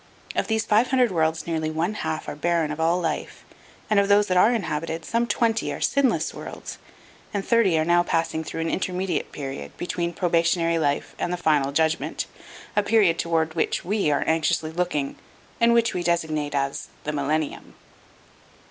Of these five hundred worlds nearly one half are barren of all life, and of those that are inhabited some twenty are sinless worlds and thirty are now passing through an intermediate period between the probationary life and the final judgment, a period toward which we are anxiously looking and which we designate as the Millennium.